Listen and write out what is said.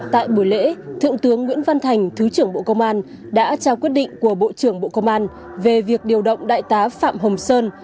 tại buổi lễ thượng tướng nguyễn văn thành thứ trưởng bộ công an đã trao quyết định của bộ trưởng bộ công an về việc điều động đại tá phạm hồng sơn